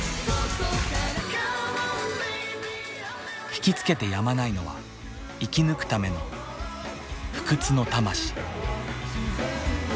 引きつけてやまないのは生き抜くための不屈の魂。